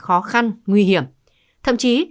khó khăn nguy hiểm thậm chí